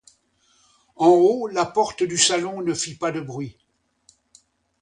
En haut, la porte du salon ne fit pas de bruit.